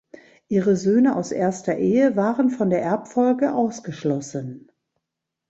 Ihre Söhne aus erster Ehe waren von der Erbfolge ausgeschlossen.